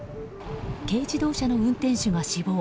軽自動車の運転手が死亡。